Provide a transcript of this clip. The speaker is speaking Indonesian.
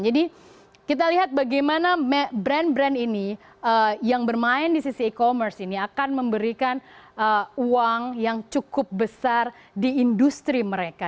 jadi kita lihat bagaimana brand brand ini yang bermain di sisi e commerce ini akan memberikan uang yang cukup besar di industri mereka